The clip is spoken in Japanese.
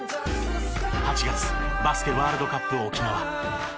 ８月バスケワールドカップ沖縄。